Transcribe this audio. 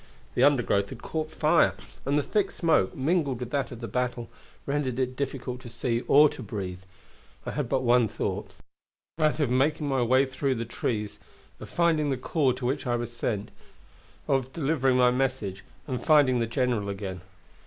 The undergrowth had caught fire, and the thick smoke, mingled with that of the battle, rendered it difficult to see or to breathe. I had but one thought, that of making my way through the trees, of finding the corps to which I was sent, of delivering my message, and finding the general again.